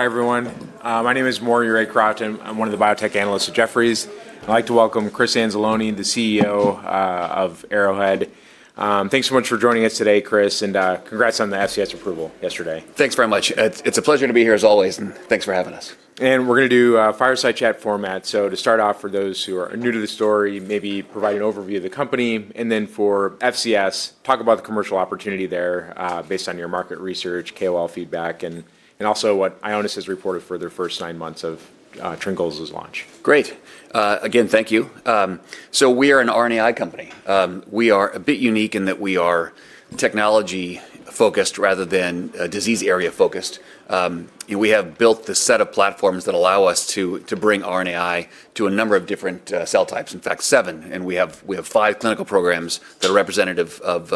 Hi, everyone. My name is Maury Raycroft. I'm one of the biotech analysts at Jefferies. I'd like to welcome Chris Anzalone, the CEO of Arrowhead. Thanks so much for joining us today, Chris, and congrats on the FCS approval yesterday. Thanks very much. It's a pleasure to be here, as always, and thanks for having us. We're going to do a fireside chat format. To start off, for those who are new to the story, maybe provide an overview of the company, and then for FCS, talk about the commercial opportunity there based on your market research, KOL feedback, and also what Ionis has reported for their first nine months of TrinCol's launch. Great. Again, thank you. We are an RNAi company. We are a bit unique in that we are technology-focused rather than disease-area-focused. We have built the set of platforms that allow us to bring RNAi to a number of different cell types, in fact, seven. We have five clinical programs that are representative of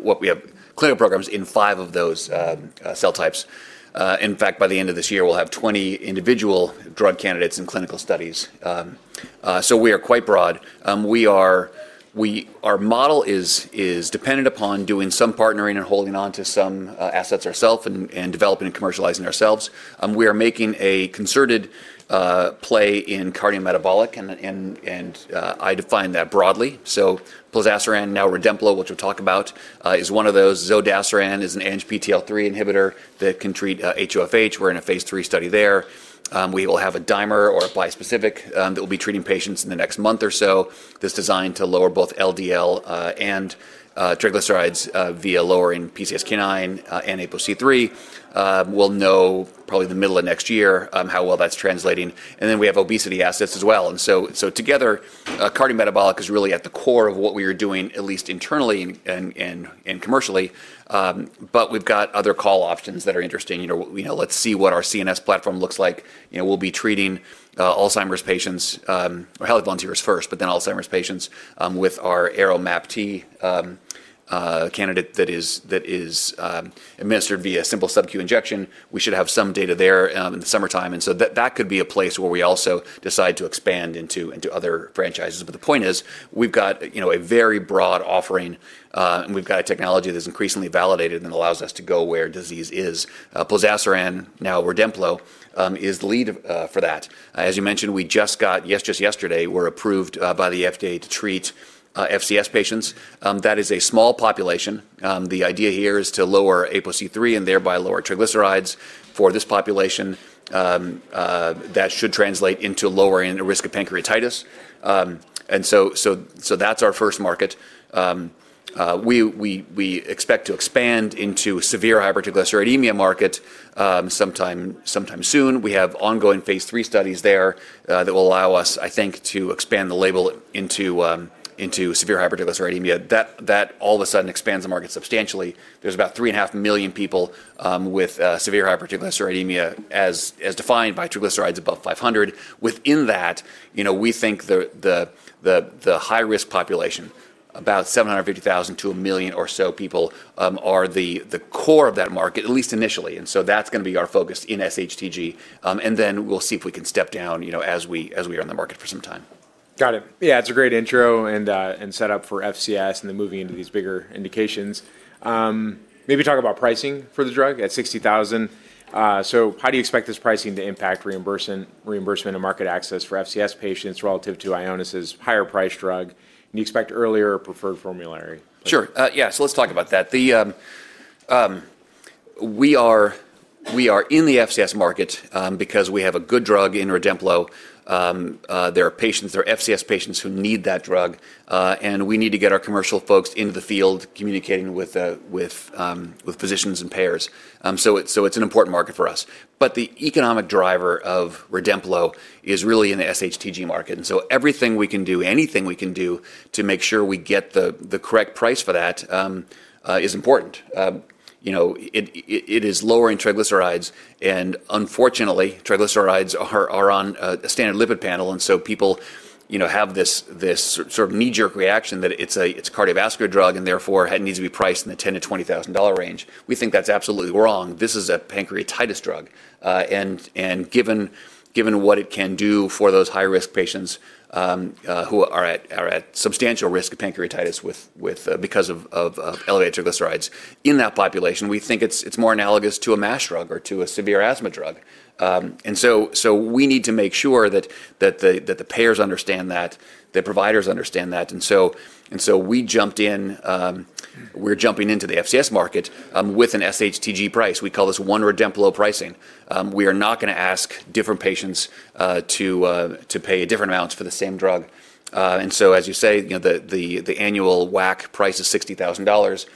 what we have, clinical programs in five of those cell types. In fact, by the end of this year, we'll have 20 individual drug candidates in clinical studies. We are quite broad. Our model is dependent upon doing some partnering and holding on to some assets ourselves and developing and commercializing ourselves. We are making a concerted play in cardiometabolic, and I define that broadly. Plozasiran, now Redemplo, which we'll talk about, is one of those. Zodasiran is an ANGPTL3 inhibitor that can treat HOFH. We're in a phase III study there. We will have a dimer or a bispecific that will be treating patients in the next month or so. This is designed to lower both LDL and triglycerides via lowering PCSK9 and ApoC3. We'll know probably the middle of next year how well that's translating. We have obesity assets as well. Together, cardiometabolic is really at the core of what we are doing, at least internally and commercially. We've got other call options that are interesting. Let's see what our CNS platform looks like. We'll be treating Alzheimer's patients or healthy volunteers first, but then Alzheimer's patients with our ARO-MAPT candidate that is administered via simple subcutaneous injection. We should have some data there in the summertime. That could be a place where we also decide to expand into other franchises. The point is, we've got a very broad offering, and we've got a technology that's increasingly validated and allows us to go where disease is. Plozasiran, now Redemplo, is the lead for that. As you mentioned, we just got yesterday, we're approved by the FDA to treat FCS patients. That is a small population. The idea here is to lower ApoC3 and thereby lower triglycerides for this population. That should translate into lowering the risk of pancreatitis. That is our first market. We expect to expand into severe hypertriglyceridemia market sometime soon. We have ongoing phase III studies there that will allow us, I think, to expand the label into severe hypertriglyceridemia. That all of a sudden expands the market substantially. There's about 3.5 million people with severe hypertriglyceridemia as defined by triglycerides above 500. Within that, we think the high-risk population, about 750,000-1 million or so people, are the core of that market, at least initially. That is going to be our focus in SHTG. We will see if we can step down as we are in the market for some time. Got it. Yeah, that's a great intro and setup for FCS and then moving into these bigger indications. Maybe talk about pricing for the drug at $60,000. How do you expect this pricing to impact reimbursement and market access for FCS patients relative to Ionis's higher-priced drug? Do you expect earlier or preferred formulary? Sure. Yeah, let's talk about that. We are in the FCS market because we have a good drug in Redemplo. There are patients, there are FCS patients who need that drug. We need to get our commercial folks into the field, communicating with physicians and payers. It is an important market for us. The economic driver of Redemplo is really in the SHTG market. Everything we can do, anything we can do to make sure we get the correct price for that is important. It is lowering triglycerides. Unfortunately, triglycerides are on a standard lipid panel. People have this sort of knee-jerk reaction that it is a cardiovascular drug and therefore needs to be priced in the $10,000-$20,000 range. We think that is absolutely wrong. This is a pancreatitis drug. Given what it can do for those high-risk patients who are at substantial risk of pancreatitis because of elevated triglycerides in that population, we think it's more analogous to a MASH drug or to a severe asthma drug. We need to make sure that the payers understand that, the providers understand that. We jumped in, we're jumping into the FCS market with an SHTG price. We call this one Redemplo pricing. We are not going to ask different patients to pay different amounts for the same drug. As you say, the annual WAC price is $60,000.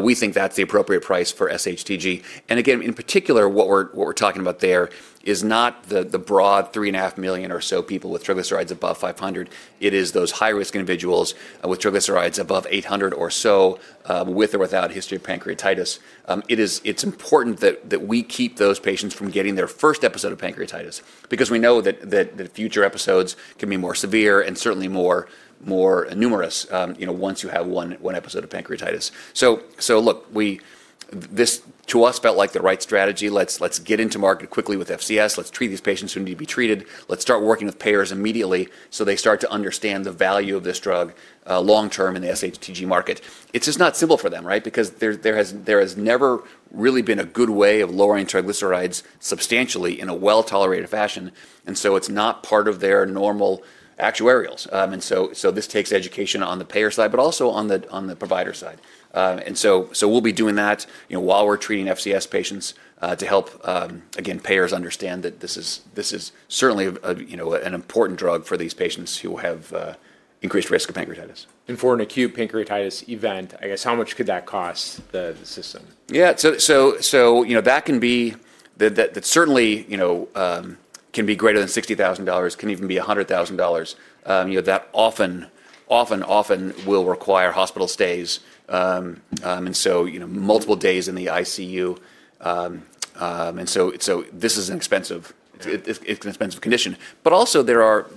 We think that's the appropriate price for SHTG. In particular, what we're talking about there is not the broad 3.5 million or so people with triglycerides above 500. It is those high-risk individuals with triglycerides above 800 or so with or without a history of pancreatitis. It's important that we keep those patients from getting their first episode of pancreatitis because we know that future episodes can be more severe and certainly more numerous once you have one episode of pancreatitis. Look, this to us felt like the right strategy. Let's get into market quickly with FCS. Let's treat these patients who need to be treated. Let's start working with payers immediately so they start to understand the value of this drug long-term in the SHTG market. It's just not simple for them, right? There has never really been a good way of lowering triglycerides substantially in a well-tolerated fashion. It is not part of their normal actuarials. This takes education on the payer side, but also on the provider side. We'll be doing that while we're treating FCS patients to help, again, payers understand that this is certainly an important drug for these patients who have increased risk of pancreatitis. For an acute pancreatitis event, I guess, how much could that cost the system? Yeah. That can certainly be greater than $60,000, can even be $100,000. That often, often will require hospital stays, and so multiple days in the ICU. This is an expensive condition. Also, there are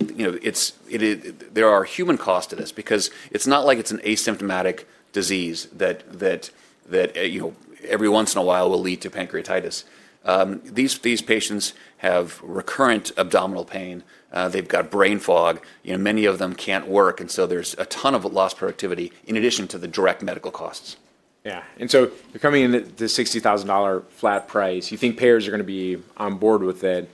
human costs to this because it's not like it's an asymptomatic disease that every once in a while will lead to pancreatitis. These patients have recurrent abdominal pain. They've got brain fog. Many of them can't work. There's a ton of lost productivity in addition to the direct medical costs. Yeah. And so you're coming in at this $60,000 flat price. You think payers are going to be on board with it.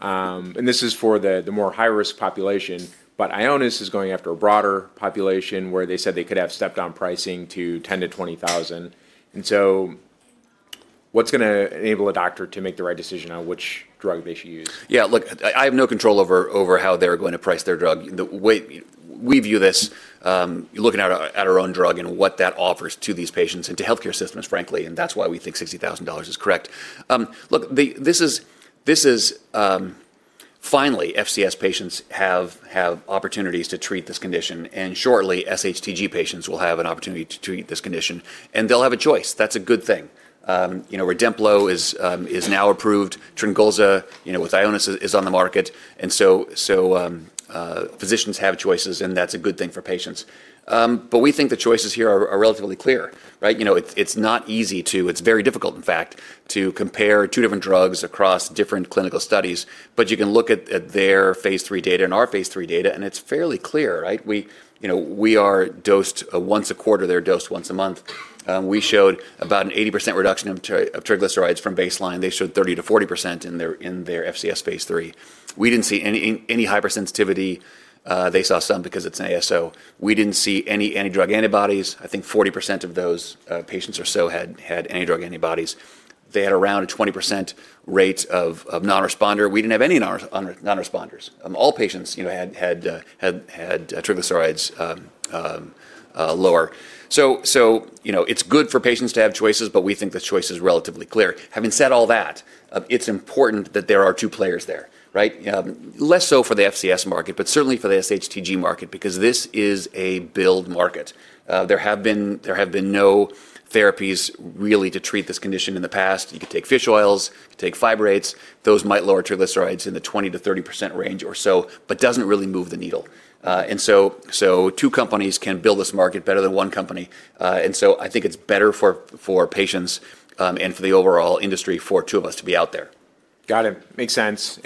And this is for the more high-risk population. But Ionis is going after a broader population where they said they could have stepped on pricing to $10,000-$20,000. And so what's going to enable a doctor to make the right decision on which drug they should use? Yeah. Look, I have no control over how they're going to price their drug. We view this looking at our own drug and what that offers to these patients and to healthcare systems, frankly. That is why we think $60,000 is correct. Look, this is finally, FCS patients have opportunities to treat this condition. Shortly, SHTG patients will have an opportunity to treat this condition. They'll have a choice. That's a good thing. Redemplo is now approved. Tryngolza with Ionis is on the market. Physicians have choices, and that's a good thing for patients. We think the choices here are relatively clear, right? It's not easy to, it's very difficult, in fact, to compare two different drugs across different clinical studies. You can look at their phase III data and our phase III data, and it's fairly clear, right? We are dosed once a quarter. They're dosed once a month. We showed about an 80% reduction of triglycerides from baseline. They showed 30%-40% in their FCS phase III. We didn't see any hypersensitivity. They saw some because it's an ASO. We didn't see any antidrug antibodies. I think 40% of those patients or so had antidrug antibodies. They had around a 20% rate of non-responder. We didn't have any non-responders. All patients had triglycerides lower. It's good for patients to have choices, but we think the choice is relatively clear. Having said all that, it's important that there are two players there, right? Less so for the FCS market, but certainly for the SHTG market because this is a build market. There have been no therapies really to treat this condition in the past. You could take fish oils, take fibrates. Those might lower triglycerides in the 20%-30% range or so, but doesn't really move the needle. Two companies can build this market better than one company. I think it's better for patients and for the overall industry for two of us to be out there. Got it. Makes sense.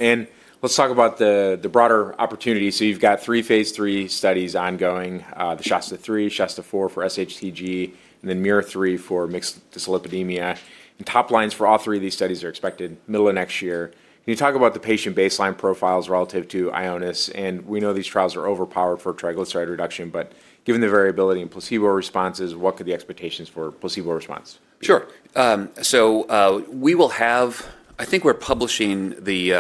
Let's talk about the broader opportunity. You've got three phase III studies ongoing, the Shasta III, Shasta IV for SHTG, and then MIR3 for mixed dyslipidemia. Top lines for all three of these studies are expected middle of next year. Can you talk about the patient baseline profiles relative to Ionis? We know these trials are overpowered for triglyceride reduction, but given the variability in placebo responses, what could the expectations for placebo response be? Sure. We will have, I think we're publishing the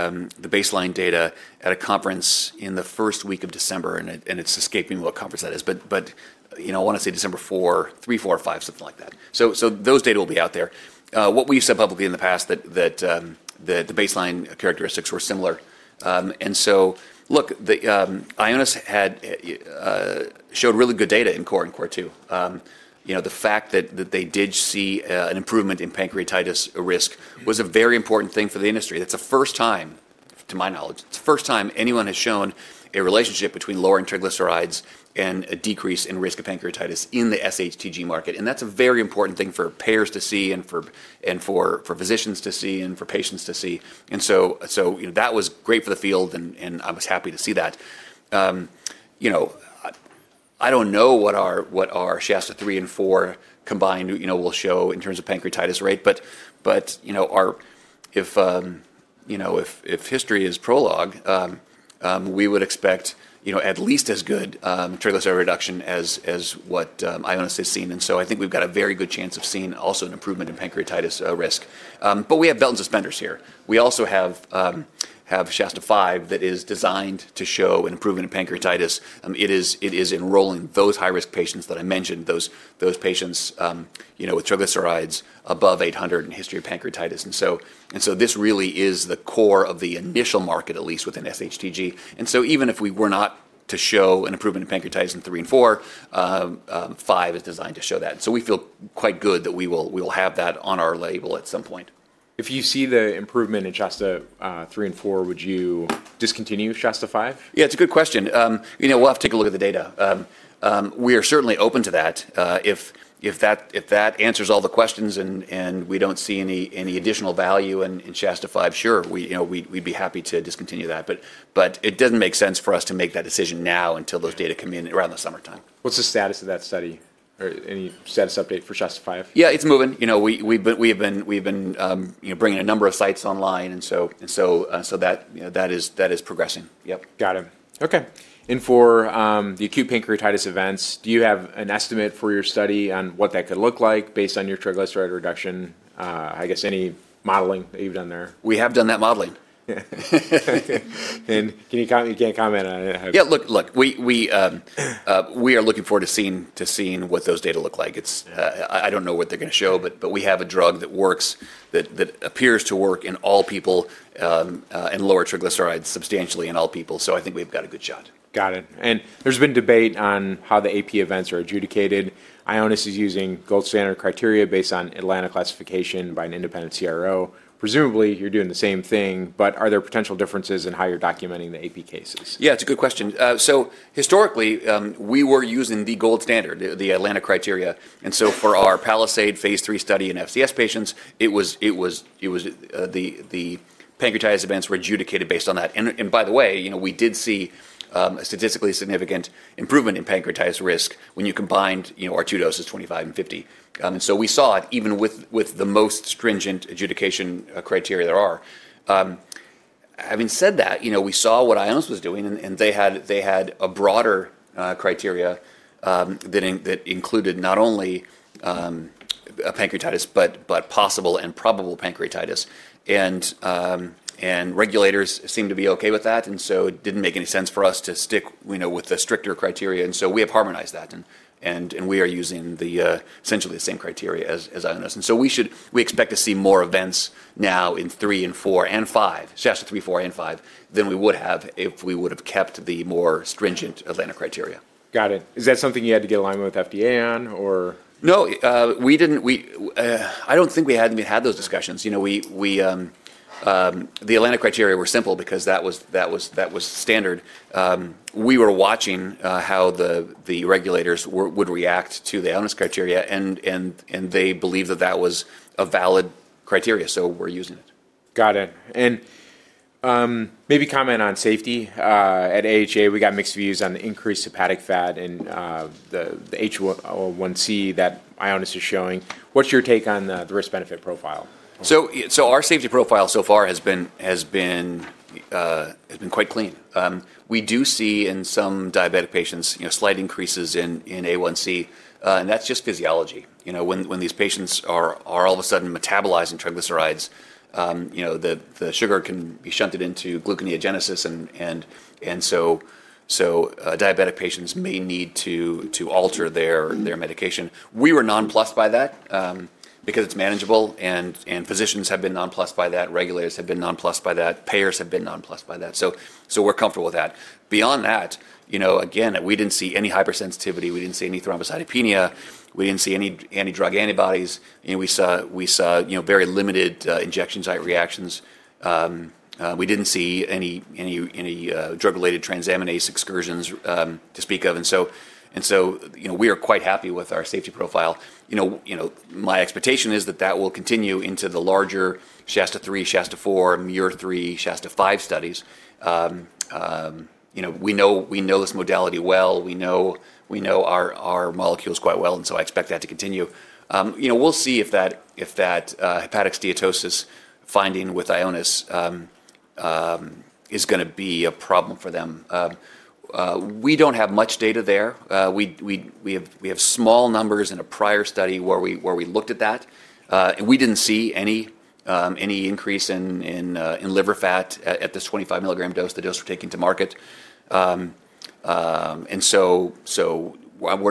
baseline data at a conference in the first week of December. It's escaping me what conference that is. I want to say December 3, 4, or 5, something like that. Those data will be out there. What we've said publicly in the past is that the baseline characteristics were similar. Look, Ionis showed really good data in core and core II. The fact that they did see an improvement in pancreatitis risk was a very important thing for the industry. That's the first time, to my knowledge, it's the first time anyone has shown a relationship between lowering triglycerides and a decrease in risk of pancreatitis in the SHTG market. That's a very important thing for payers to see and for physicians to see and for patients to see. That was great for the field, and I was happy to see that. I don't know what our Shasta III and IV combined will show in terms of pancreatitis rate. If history is prologue, we would expect at least as good triglyceride reduction as what Ionis has seen. I think we've got a very good chance of seeing also an improvement in pancreatitis risk. We have belt and suspenders here. We also have Shasta V that is designed to show an improvement in pancreatitis. It is enrolling those high-risk patients that I mentioned, those patients with triglycerides above 800 and history of pancreatitis. This really is the core of the initial market, at least within SHTG. Even if we were not to show an improvement in pancreatitis in III and IV, V is designed to show that. We feel quite good that we will have that on our label at some point. If you see the improvement in Shasta III and IV, would you discontinue Shasta V? Yeah, it's a good question. We'll have to take a look at the data. We are certainly open to that. If that answers all the questions and we don't see any additional value in Shasta V, sure, we'd be happy to discontinue that. It doesn't make sense for us to make that decision now until those data come in around the summertime. What's the status of that study? Any status update for Shasta V? Yeah, it's moving. We have been bringing a number of sites online. That is progressing. Yep. Got it. Okay. For the acute pancreatitis events, do you have an estimate for your study on what that could look like based on your triglyceride reduction? I guess any modeling that you've done there? We have done that modeling. Can you comment on it? Yeah, look, we are looking forward to seeing what those data look like. I don't know what they're going to show, but we have a drug that works, that appears to work in all people and lower triglycerides substantially in all people. I think we've got a good shot. Got it. There's been debate on how the AP events are adjudicated. Ionis is using gold standard criteria based on Atlanta classification by an independent CRO. Presumably, you're doing the same thing. Are there potential differences in how you're documenting the AP cases? Yeah, it's a good question. Historically, we were using the gold standard, the Atlanta criteria. For our Palisade phase III study in FCS patients, the pancreatitis events were adjudicated based on that. By the way, we did see a statistically significant improvement in pancreatitis risk when you combined our two doses, 25 and 50. We saw it even with the most stringent adjudication criteria there are. Having said that, we saw what Ionis was doing, and they had a broader criteria that included not only pancreatitis, but possible and probable pancreatitis. Regulators seemed to be okay with that. It didn't make any sense for us to stick with the stricter criteria. We have harmonized that. We are using essentially the same criteria as Ionis. We expect to see more events now in III and IV and V, Shasta III, IV, and V than we would have if we would have kept the more stringent Atlanta criteria. Got it. Is that something you had to get alignment with FDA on, or? No. I don't think we had those discussions. The Atlanta classification was simple because that was standard. We were watching how the regulators would react to the Ionis criteria. They believed that that was a valid criteria. So we're using it. Got it. Maybe comment on safety. At AHA, we got mixed views on the increased hepatic fat in the A1C that Ionis is showing. What's your take on the risk-benefit profile? Our safety profile so far has been quite clean. We do see in some diabetic patients slight increases in A1C. That's just physiology. When these patients are all of a sudden metabolizing triglycerides, the sugar can be shunted into gluconeogenesis. Diabetic patients may need to alter their medication. We were nonplussed by that because it's manageable. Physicians have been nonplussed by that. Regulators have been nonplussed by that. Payers have been nonplussed by that. We're comfortable with that. Beyond that, again, we didn't see any hypersensitivity. We didn't see any thrombocytopenia. We didn't see any antidrug antibodies. We saw very limited injection site reactions. We didn't see any drug-related transaminase excursions to speak of. We are quite happy with our safety profile. My expectation is that will continue into the larger Shasta III, Shasta IV, MIR3, Shasta V studies. We know this modality well. We know our molecules quite well. I expect that to continue. We'll see if that hepatic steatosis finding with Ionis is going to be a problem for them. We don't have much data there. We have small numbers in a prior study where we looked at that. We didn't see any increase in liver fat at this 25 mg dose, the dose we're taking to market. We're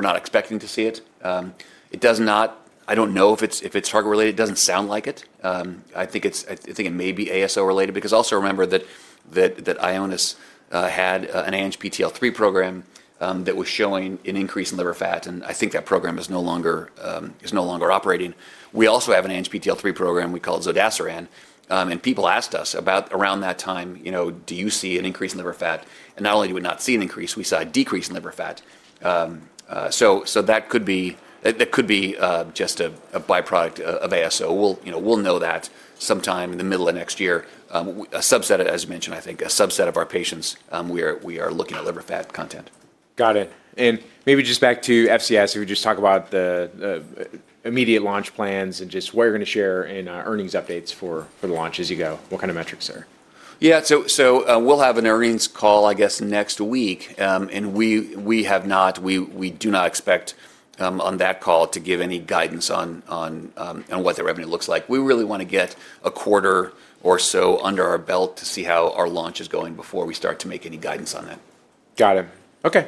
not expecting to see it. I don't know if it's drug-related. It doesn't sound like it. I think it may be ASO-related because also remember that Ionis had an ANGPTL3 program that was showing an increase in liver fat. I think that program is no longer operating. We also have an ANGPTL3 program we call Zodasiran. People asked us around that time, do you see an increase in liver fat? Not only did we not see an increase, we saw a decrease in liver fat. That could be just a byproduct of ASO. We'll know that sometime in the middle of next year. As you mentioned, I think a subset of our patients, we are looking at liver fat content. Got it. Maybe just back to FCS, if we just talk about the immediate launch plans and just what you're going to share in earnings updates for the launch as you go. What kind of metrics are? Yeah. We'll have an earnings call, I guess, next week. We do not expect on that call to give any guidance on what the revenue looks like. We really want to get a quarter or so under our belt to see how our launch is going before we start to make any guidance on that. Got it. Okay.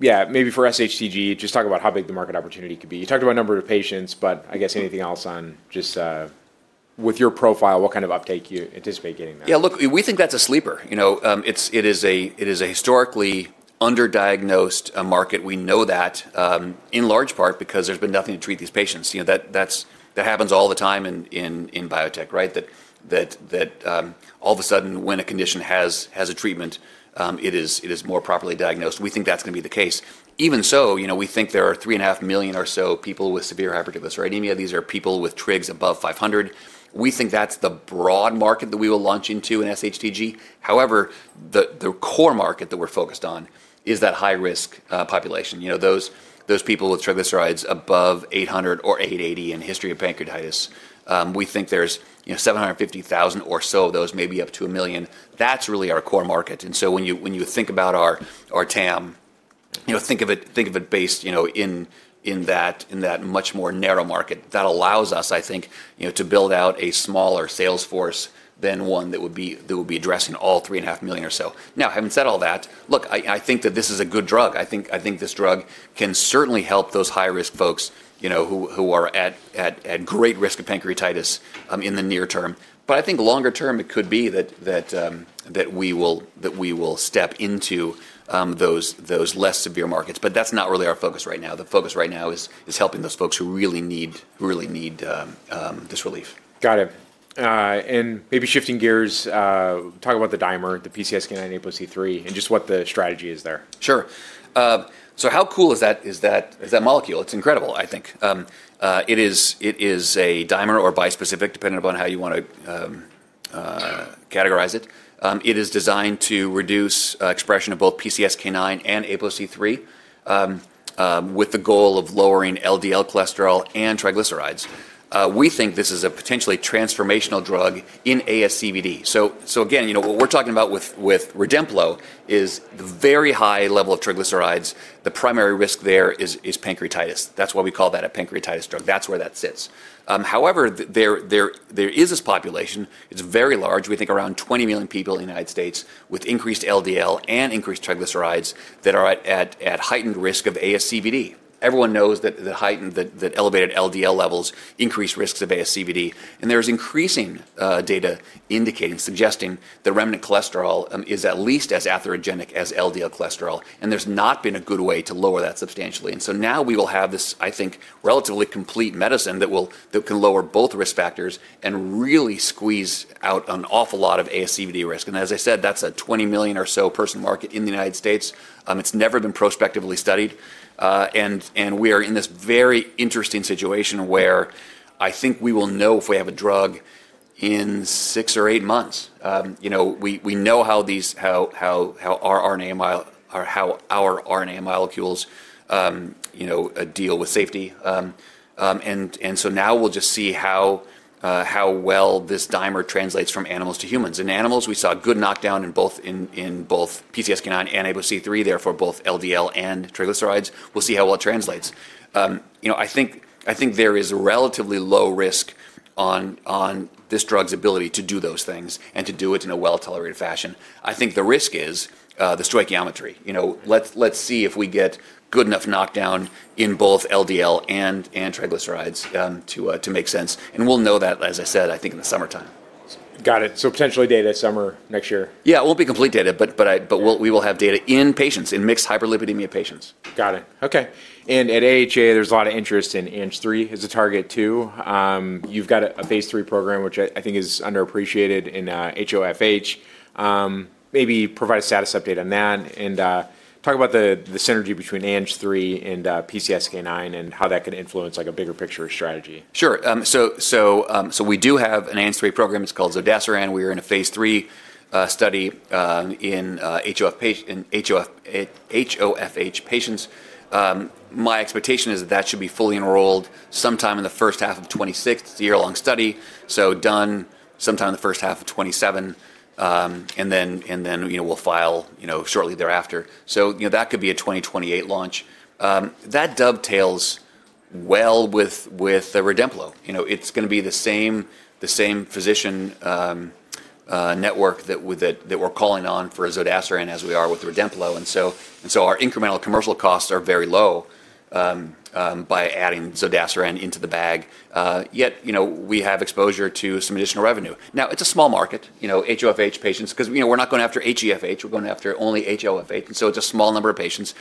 Yeah, maybe for SHTG, just talk about how big the market opportunity could be. You talked about number of patients, but I guess anything else on just with your profile, what kind of uptake you anticipate getting there? Yeah, look, we think that's a sleeper. It is a historically underdiagnosed market. We know that in large part because there's been nothing to treat these patients. That happens all the time in biotech, right? That all of a sudden, when a condition has a treatment, it is more properly diagnosed. We think that's going to be the case. Even so, we think there are three and a half million or so people with severe hypertriglyceridemia. These are people with trigs above 500. We think that's the broad market that we will launch into in SHTG. However, the core market that we're focused on is that high-risk population, those people with triglycerides above 800 or 880 and history of pancreatitis. We think there's 750,000 or so of those, maybe up to a million. That's really our core market. When you think about our TAM, think of it based in that much more narrow market. That allows us, I think, to build out a smaller sales force than one that would be addressing all three and a half million or so. Having said all that, look, I think that this is a good drug. I think this drug can certainly help those high-risk folks who are at great risk of pancreatitis in the near term. I think longer term, it could be that we will step into those less severe markets. That is not really our focus right now. The focus right now is helping those folks who really need this relief. Got it. Maybe shifting gears, talk about the dimer, the PCSK9 ApoC3, and just what the strategy is there. Sure. How cool is that molecule? It's incredible, I think. It is a dimer or bispecific, depending upon how you want to categorize it. It is designed to reduce expression of both PCSK9 and ApoC3 with the goal of lowering LDL cholesterol and triglycerides. We think this is a potentially transformational drug in ASCVD. What we're talking about with Redemplo is the very high level of triglycerides. The primary risk there is pancreatitis. That's why we call that a pancreatitis drug. That's where that sits. However, there is this population. It's very large. We think around 20 million people in the United States with increased LDL and increased triglycerides that are at heightened risk of ASCVD. Everyone knows that elevated LDL levels increase risks of ASCVD. There is increasing data indicating, suggesting that remnant cholesterol is at least as atherogenic as LDL cholesterol. There's not been a good way to lower that substantially. Now we will have this, I think, relatively complete medicine that can lower both risk factors and really squeeze out an awful lot of ASCVD risk. As I said, that's a 20 million or so person market in the United States. It's never been prospectively studied. We are in this very interesting situation where I think we will know if we have a drug in six or eight months. We know how our RNA molecules deal with safety. Now we'll just see how well this dimer translates from animals to humans. In animals, we saw good knockdown in both PCSK9 and ApoC3, therefore both LDL and triglycerides. We'll see how well it translates. I think there is a relatively low risk on this drug's ability to do those things and to do it in a well-tolerated fashion. I think the risk is the stoichiometry. Let's see if we get good enough knockdown in both LDL and triglycerides to make sense. We'll know that, as I said, I think in the summertime. Got it. So potentially data summer next year. Yeah, it won't be complete data, but we will have data in patients, in mixed hyperlipidemia patients. Got it. Okay. At AHA, there's a lot of interest in ANGPTL3 as a target too. You've got a phase III program, which I think is underappreciated in HOFH. Maybe provide a status update on that and talk about the synergy between ANGPTL3 and PCSK9 and how that can influence a bigger picture strategy. Sure. We do have an ANGPTL3 program. It's called Zodasiran. We are in a phase III study in HOFH patients. My expectation is that that should be fully enrolled sometime in the first half of 2026. It's a year-long study. Done sometime in the first half of 2027. We will file shortly thereafter. That could be a 2028 launch. That dovetails well with Redemplo. It's going to be the same physician network that we're calling on for Zodasiran as we are with Redemplo. Our incremental commercial costs are very low by adding Zodasiran into the bag. Yet we have exposure to some additional revenue. Now, it's a small market, HOFH patients, because we're not going after HEFH. We're going after only HOFH. It's a small number of patients.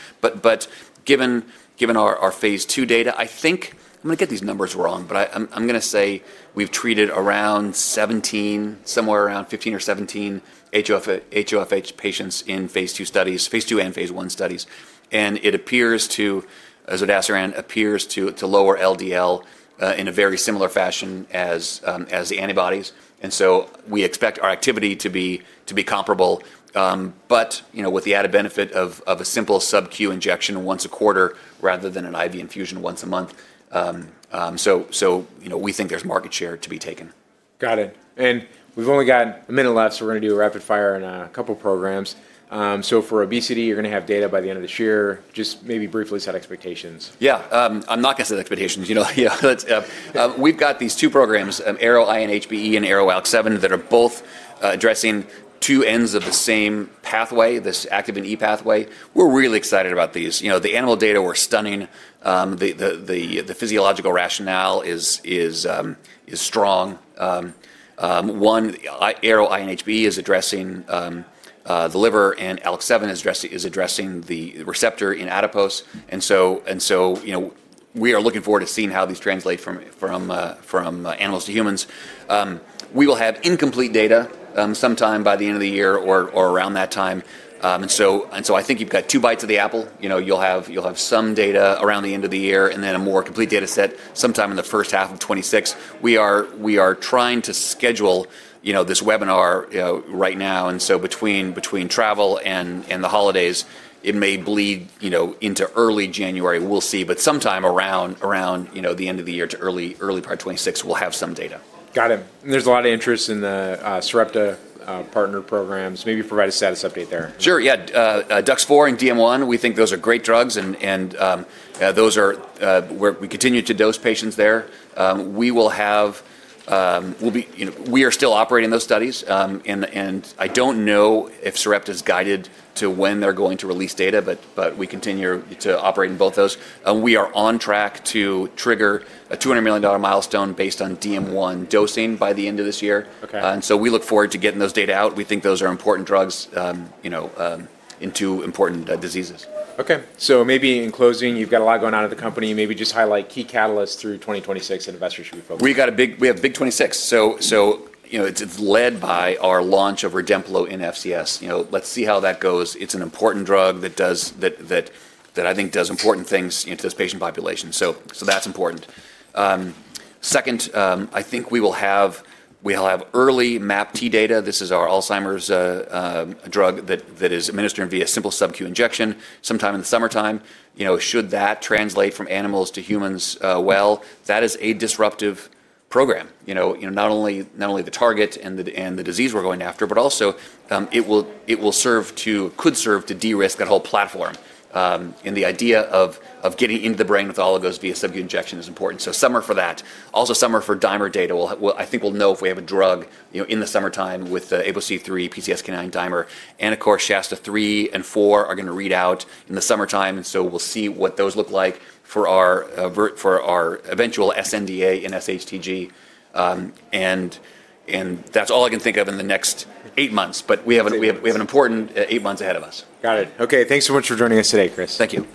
Given our phase II data, I think I'm going to get these numbers wrong, but I'm going to say we've treated around 17, somewhere around 15 or 17 HOFH patients in phase II studies, phase II and phase I studies. It appears to, Zodasiran appears to lower LDL in a very similar fashion as the antibodies. We expect our activity to be comparable, but with the added benefit of a simple sub-Q injection once a quarter rather than an IV infusion once a month. We think there's market share to be taken. Got it. We've only got a minute left, so we're going to do a rapid fire on a couple of programs. For obesity, you're going to have data by the end of this year. Just maybe briefly set expectations. Yeah. I'm not going to set expectations. We've got these two programs, ARO-INHBE and ARO-ALK7, that are both addressing two ends of the same pathway, this activin E pathway. We're really excited about these. The animal data were stunning. The physiological rationale is strong. ARO-INHBE is addressing the liver, and ARO-ALK7 is addressing the receptor in adipose. We are looking forward to seeing how these translate from animals to humans. We will have incomplete data sometime by the end of the year or around that time. I think you've got two bites of the apple. You'll have some data around the end of the year and then a more complete data set sometime in the first half of 2026. We are trying to schedule this webinar right now. Between travel and the holidays, it may bleed into early January. We'll see. Sometime around the end of the year to early part of 2026, we'll have some data. Got it. There is a lot of interest in the Sarepta partner programs. Maybe provide a status update there. Sure. Yeah. DUX4 and DM1, we think those are great drugs. Those are where we continue to dose patients. We are still operating those studies. I don't know if Sarepta is guided to when they're going to release data, but we continue to operate in both those. We are on track to trigger a $200 million milestone based on DM1 dosing by the end of this year. We look forward to getting those data out. We think those are important drugs into important diseases. Okay. Maybe in closing, you've got a lot going on at the company. Maybe just highlight key catalysts through 2026 that investors should be focused on. We have big 2026. It is led by our launch of Redemplo in FCS. Let's see how that goes. It is an important drug that I think does important things to this patient population. That is important. Second, I think we will have early MAPT data. This is our Alzheimer's drug that is administered via simple sub-Q injection sometime in the summertime. Should that translate from animals to humans well, that is a disruptive program. Not only the target and the disease we are going after, but also it could serve to de-risk that whole platform. The idea of getting into the brain with oligos via sub-Q injection is important. Summer for that. Also summer for dimer data. I think we will know if we have a drug in the summertime with the ApoC3, PCSK9 dimer. Of course, Shasta III and IV are going to read out in the summertime. We'll see what those look like for our eventual SNDA and SHTG. That's all I can think of in the next eight months. We have an important eight months ahead of us. Got it. Okay. Thanks so much for joining us today, Chris. Thank you.